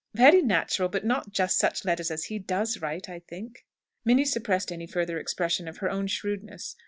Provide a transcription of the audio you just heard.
"Very natural; but not just such letters as he does write, I think." Minnie suppressed any further expression of her own shrewdness.